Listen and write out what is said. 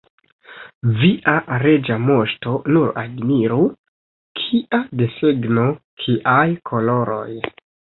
Via Reĝa Moŝto nur admiru, kia desegno, kiaj koloroj!